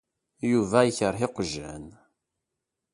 Yuba ikreh iqjan.